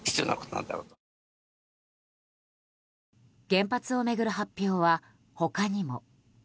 原発を巡る発表は他にも。